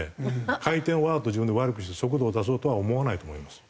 回転をわざと自分で悪くして速度を出そうとは思わないと思います。